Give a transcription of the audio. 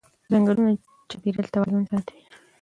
ځنګلونه د چاپېریال توازن ساتي